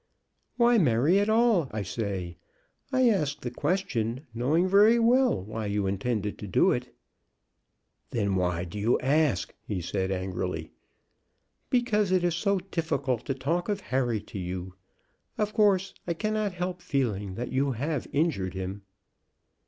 "Why marry at all? I say. I ask the question knowing very well why you intended to do it." "Then why do you ask?" he said, angrily. "Because it is so difficult to talk of Harry to you. Of course I cannot help feeling that you have injured him."